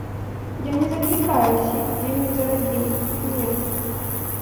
Я не заклікаю ўсіх гінуць за радзіму, не.